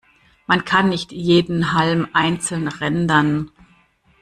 Man kann nicht jeden Halm einzeln rendern.